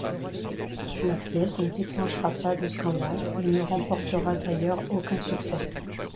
La pièce ne déclenchera pas de scandale et ne remportera d'ailleurs aucun succès.